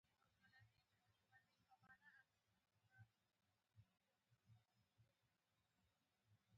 ښکارېده چې د مينې خبرو ورباندې ژور اثر کړی.